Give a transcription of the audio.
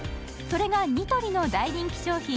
それがニトリの大人気商品